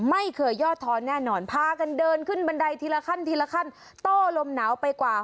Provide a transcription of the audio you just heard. ไม่เคยย่อท้อนแน่นอนพากันเดินขึ้นบันไดทีละขั้นทีละขั้นโต้ลมหนาวไปกว่า